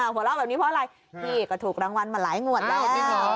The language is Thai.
หัวเล่าแบบนี้เพราะอะไรพี่ก็ถูกรางวัลมาหลายงวดแล้วเห็นไหม